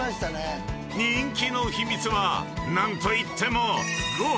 ［人気の秘密は何といっても］